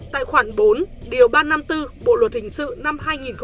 tại khoản bốn điều ba trăm năm mươi bốn bộ luật hình sự năm hai nghìn một mươi năm